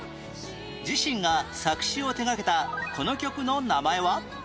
自身が作詞を手掛けたこの曲の名前は？